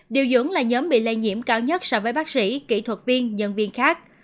điều dưỡng là nhóm bị lây nhiễm cao nhất so với bác sĩ kỹ thuật viên nhân viên khác